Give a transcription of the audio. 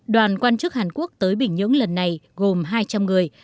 đoàn quan chức hàn quốc tới bình nhưỡng lần này gồm hai trăm linh người